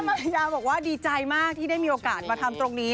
ภรรยาบอกว่าดีใจมากที่ได้มีโอกาสมาทำตรงนี้